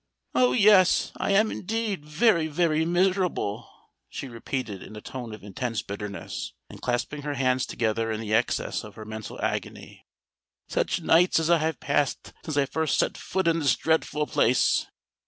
"Oh! yes—I am indeed very, very miserable," she repeated, in a tone of intense bitterness, and clasping her hands together in the excess of her mental agony. "Such nights as I have passed since I first set foot in this dreadful place!